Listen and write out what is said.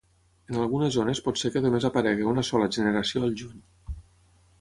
En algunes zones pot ser que només aparegui una sola generació al juny.